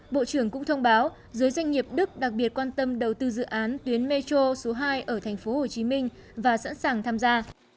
bộ trưởng cũng thông báo giới doanh nghiệp đức đặc biệt quan tâm đầu tư dự án tuyến metro số hai ở tp hcm và sẵn sàng tham gia